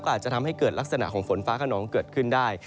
อาจจะทำให้เกิดลักษณะของฝนฟ้าขนองเกิดขึ้นได้